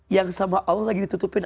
yang sama allah lagi ditutupin